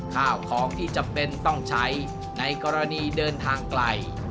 ข้าวของที่จำเป็นต้องใช้ในกรณีเดินทางไกล